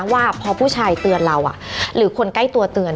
ว่าพอผู้ชายเตือนเราหรือคนใกล้ตัวเตือน